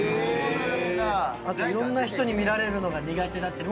あといろんな人に見られるのが苦手だっていう。